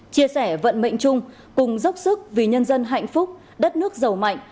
chia sẻ vận mệnh chung cùng dốc sức vì nhân dân hạnh phúc đất nước giàu mạnh